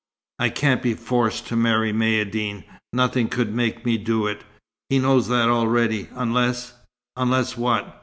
"I can't be forced to marry Maïeddine. Nothing could make me do it. He knows that already, unless " "Unless what?